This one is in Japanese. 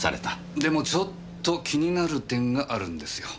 でもちょっと気になる点があるんですよ。